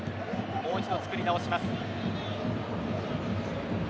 もう一度つくり直します。